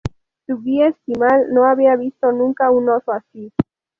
Su guía esquimal no había visto nunca un oso así.